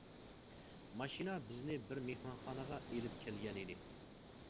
ماشىنا بىزنى بىر مېھمانخانىغا ئېلىپ كەلگەنىدى.